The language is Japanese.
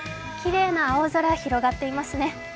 きれいな青空広がっていますね。